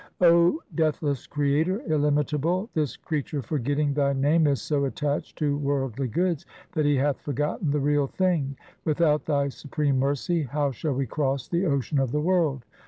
O Deathless Creator, illimitable, this creature forgetting Thy name is so attached to worldly goods, that he hath forgotten the Real Thing. Without Thy supreme mercy how shall we cross the ocean of the world